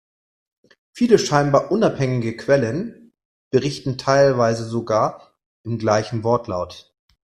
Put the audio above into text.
Viele scheinbar unabhängige Quellen, berichten teilweise sogar im gleichen Wortlaut.